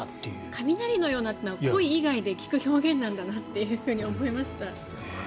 雷のようなというのを恋以外で聞く表現なんだなと思いました。